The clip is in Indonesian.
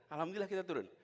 alhamdulillah kita turun